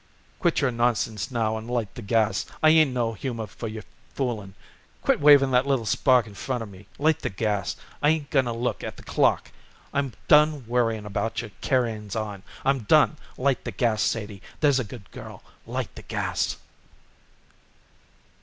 "Quit your nonsense now and light the gas. I ain't in no humor for foolin'. Quit waving that little spark in front of me. Light the gas. I ain't going to look at the clock. I'm done worrying about your carryings on. I'm done. Light the gas, Sadie, there's a good girl. Light the gas."